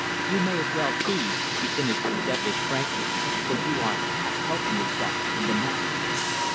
You may as well be," she finished with devilish frankness, "for you are past helping yourself in the matter."